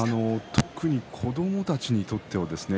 特に子どもたちにとってはですね